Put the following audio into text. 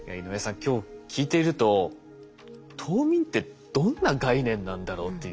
今日聞いていると冬眠ってどんな概念なんだろうっていう。